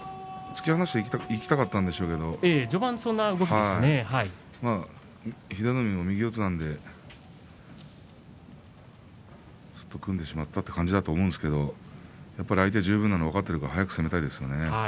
突き放していきたかったんでしょうけど英乃海も右四つなのですっと組んでしまったという感じだと思いますけど相手十分なのは分かっていますから速く攻めたいですね。